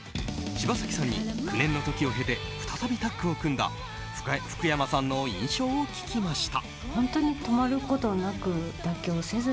柴咲さんに９年の時を経て再びタッグを組んだ福山さんの印象を聞きました。